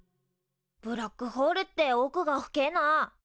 ブラックホールっておくが深えな。